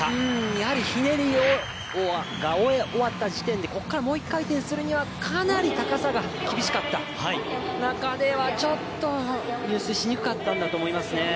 やはりひねりが終わった時点でここからもう１回転するにはかなり高さが厳しかった中ではちょっと入水しにくかったんだと思いますね。